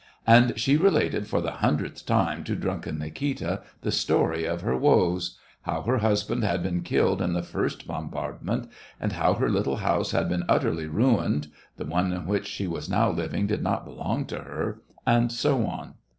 And she related for the hundredth time to drunken Nikita the story of her woes ; how her husband had been killed in the first bombardment, and how her little house had been utterly ruined (the one in which she was now living did not belong to her), and so on.